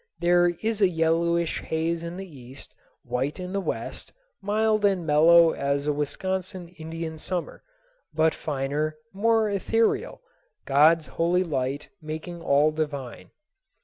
There is a yellowish haze in the east, white in the west, mild and mellow as a Wisconsin Indian Summer, but finer, more ethereal, God's holy light making all divine.